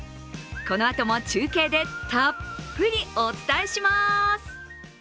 このあとも中継でたっぷりお伝えします。